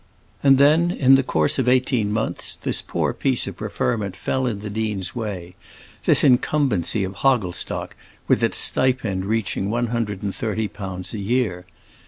And then, in the course of eighteen months, this poor piece of preferment fell in the dean's way, this incumbency of Hogglestock with its stipend reaching one hundred and thirty pounds a year.